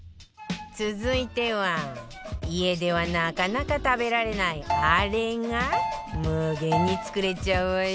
続いては家ではなかなか食べられないあれが無限に作れちゃうわよ